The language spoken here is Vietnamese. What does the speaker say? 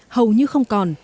hầu như không còn